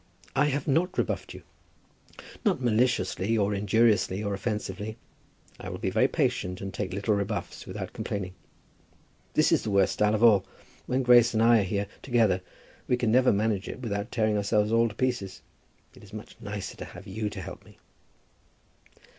"I have not rebuffed you." "Not maliciously, or injuriously, or offensively. I will be very patient, and take little rebuffs without complaining. This is the worst stile of all. When Grace and I are here together we can never manage it without tearing ourselves all to pieces. It is much nicer to have you to help me."